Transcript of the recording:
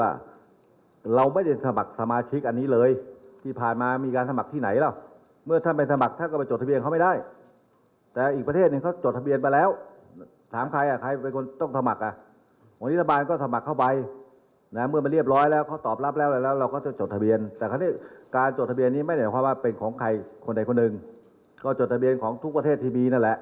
อ่านลองไปฟังบางช่วงบางตอนของนายกครับ